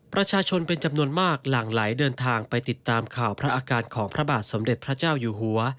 ประชาชนเป็นจำนวนมากหลั่งไหลเดินทางไปติดตามข่าวพระอาการของพระบาทสมเด็จพระเจ้าอยู่หัว